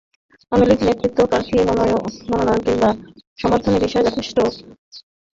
Awami League নেতৃত্ব প্রার্থী মনোনয়ন কিংবা সমর্থনের বিষয়ে যথেষ্ট উদারতার পরিচয় দিয়েছেন।